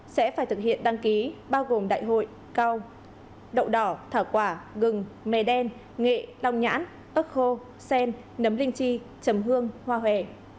sẽ phải thực hiện đăng ký bao gồm đại hội cao đậu đỏ thả quả gừng mè đen nghệ đong nhãn ớt khô sen nấm linh chi trầm hương hoa hòe